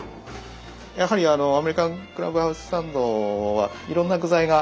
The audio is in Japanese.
やはりあのアメリカンクラブハウスサンドはいろんな具材が入ります。